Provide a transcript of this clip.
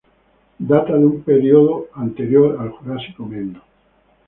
Data de un período anterior al Jurásico Medio.